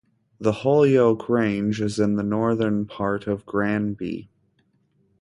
The Holyoke Range is in the northern part of Granby.